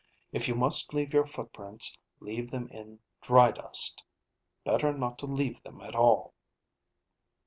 If you must leave your footprints, leave them in dry dust. Better not to leave them at all."